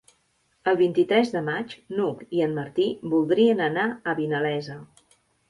El vint-i-tres de maig n'Hug i en Martí voldrien anar a Vinalesa.